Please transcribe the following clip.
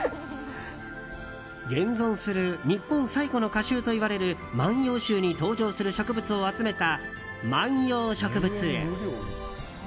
現存する日本最古の歌集といわれる「万葉集」に登場する植物を集めた万葉植物園。